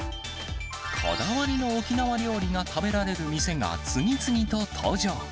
こだわりの沖縄料理が食べられる店が次々と登場。